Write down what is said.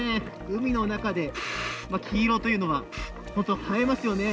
海の中で黄色というのは本当、映えますよね。